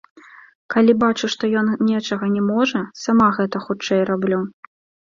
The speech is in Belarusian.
Калі бачу, што ён нечага не можа, сама гэта хутчэй раблю.